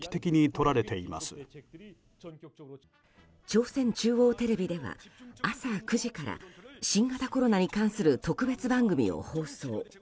朝鮮中央テレビでは朝９時から新型コロナに関する特別番組を放送。